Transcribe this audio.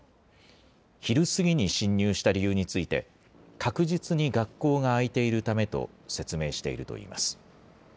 昼過ぎに侵入した理由について、確実に学校が開いているためと説明しているといいます。